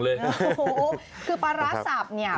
อ้ะอูคือปราสับเนี่ย